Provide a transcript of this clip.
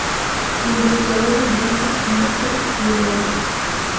Investigador del British Museum de Londres.